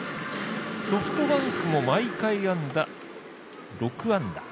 ソフトバンクも毎回、安打６安打。